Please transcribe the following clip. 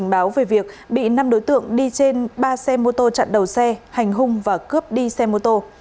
báo về việc bị năm đối tượng đi trên ba xe mô tô chặn đầu xe hành hung và cướp đi xe mô tô